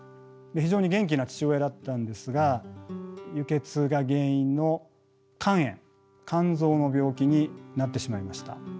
非常に元気な父親だったんですが輸血が原因の肝炎肝臓の病気になってしまいました。